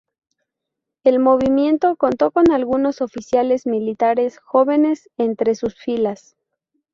El movimiento contó con algunos oficiales militares jóvenes entre sus filas.